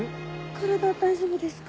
体大丈夫ですか？